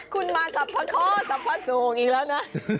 คุณมาสรรพะเคอร์สรรพะสู่กอีกแล้วนะ